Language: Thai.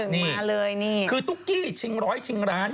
นี่คือตุ๊กกี้ชิงร้อยชิงร้าน